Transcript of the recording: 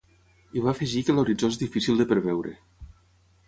I va afegir que l’horitzó és difícil de preveure.